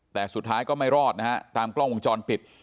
แต่สุดท้ายก็ไม่รอดนะฮะตามกล้องวงจรปิด